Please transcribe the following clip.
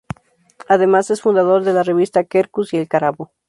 Además, es fundador de la revista "Quercus" y "El Cárabo".